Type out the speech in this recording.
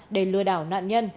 để lừa đảo nạn nhân